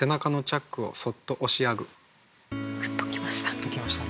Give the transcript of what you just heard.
グッときました。